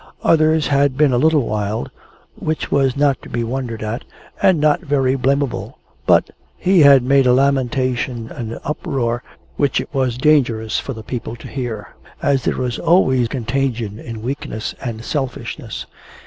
Others had been a little wild, which was not to be wondered at, and not very blamable; but, he had made a lamentation and uproar which it was dangerous for the people to hear, as there is always contagion in weakness and selfishness.